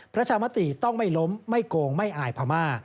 ประชามติต้องไม่ล้มไม่โกงไม่อายพม่า